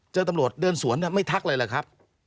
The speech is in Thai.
เจอตำรวจเดินสวนไม่ทักเลยแหละครับ